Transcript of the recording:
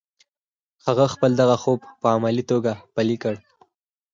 هغه خپل دغه خوب په عملي توګه پلی کړ